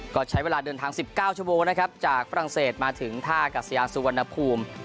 ก็ใช้เวลาเดินทาง๑๙ชั่วโมงนะครับจากฝรั่งเศสมาถึงท่ากัศยาสุวรรณภูมิ